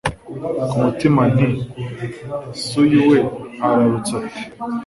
kumutima nti kandi se uyu we ararutse ate!